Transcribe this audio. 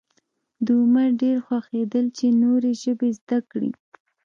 د عمر ډېر خوښېدل چې نورې ژبې زده کړي.